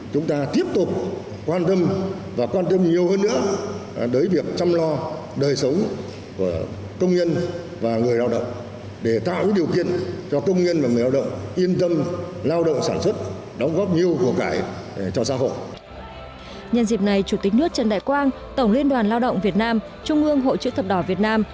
chủ tịch nước trần đại quang tổng liên đoàn lao động việt nam trung ương hội chữ thập đỏ việt nam